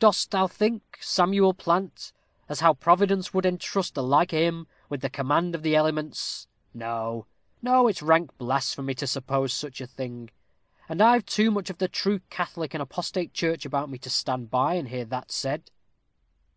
"Dost thou think, Samuel Plant, as how Providence would entrust the like o' him with the command of the elements? No no, it's rank blasphemy to suppose such a thing, and I've too much of the true Catholic and apostate church about me, to stand by and hear that said."